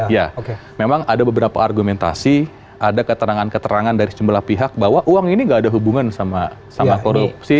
ya memang ada beberapa argumentasi ada keterangan keterangan dari sejumlah pihak bahwa uang ini gak ada hubungan sama korupsi